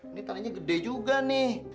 ini tanahnya gede juga nih